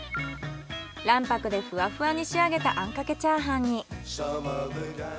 卵白でふわふわに仕上げたあんかけチャーハンに。